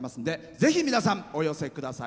ぜひ、皆さんお寄せください。